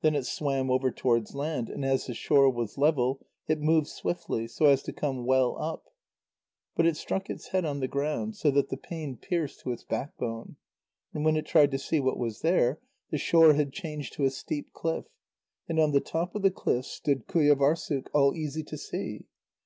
Then it swam over towards land, and as the shore was level, it moved swiftly, so as to come well up. But it struck its head on the ground, so that the pain pierced to its backbone, and when it tried to see what was there, the shore had changed to a steep cliff, and on the top of the cliff stood Qujâvârssuk, all easy to see.